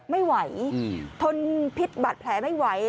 ไม่ไหวทนพิษบาดแผลไม่ไหว